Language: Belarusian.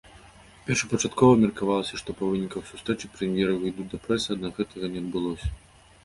Першапачаткова меркавалася, што па выніках сустрэчы прэм'еры выйдуць да прэсы, аднак гэтага не адбылося.